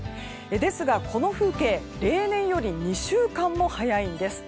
ですが、この風景例年より２週間も早いんです。